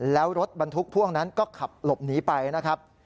แล้วรถบรรทุกพ่วงนั้นก็ขับหลบหนีไปนะครับ